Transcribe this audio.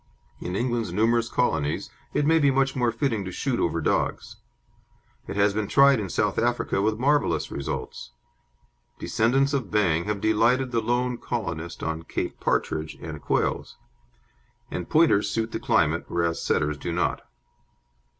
In England's numerous colonies it may be much more fitting to shoot over dogs. It has been tried in South Africa with marvellous results. Descendants of Bang have delighted the lone colonist on Cape partridge and quails, and Pointers suit the climate, whereas Setters do not.